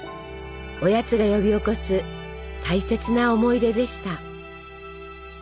おやつが呼び起こす大切な思い出でした。